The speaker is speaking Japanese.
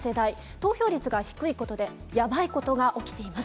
投票率が低いことで、やばいことが起きています。